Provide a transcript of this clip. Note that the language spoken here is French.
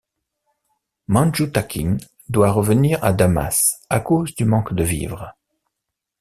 Manjutakin doit revenir à Damas à cause du manque de vivres.